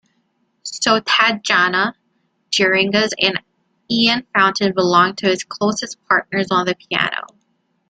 So Tatjana Geringas and Ian Fountain belong to his closest partners on the piano.